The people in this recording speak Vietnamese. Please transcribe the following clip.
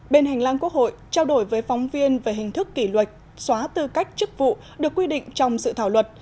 bên hành lang quốc hội trao đổi với phóng viên về hình thức kỷ luật xóa tư cách chức vụ được quy định trong sự thảo luật